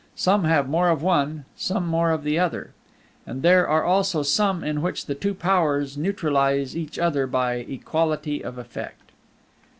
Some have more of one, some more of the other. And there are also some in which the two powers neutralize each other by equality of effect.